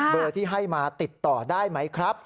ที่ให้มาติดต่อได้ไหมครับ